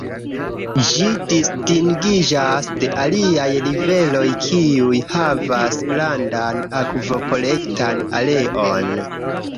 Ĝi distingiĝas de aliaj riveroj, kiuj havas grandan akvokolektan areon.